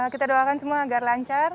kita doakan semua agar lancar